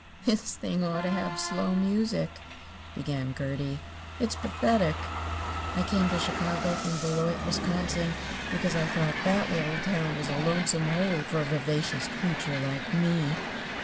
"This thing ought to have slow music," began Gertie. "It's pathetic. I came to Chicago from Beloit, Wisconsin, because I thought that little town was a lonesome hole for a vivacious creature like me.